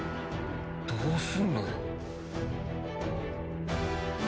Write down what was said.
どうするのよ。